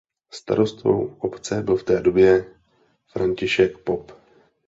Starostou obce byl v té době František Pop.